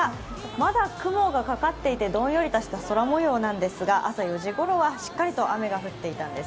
まだ雲がかかっていて、どんよりとした空もようですが、朝４時ごろはしっかりと雨が降っていたんです。